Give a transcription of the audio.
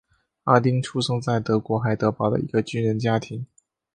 哈丁出生在德国海德堡的一个军人家庭。